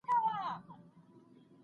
علمي څېړنه دقت او حوصله غواړي.